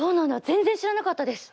全然知らなかったです。